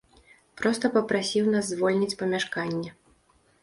Проста папрасіў нас звольніць памяшканне.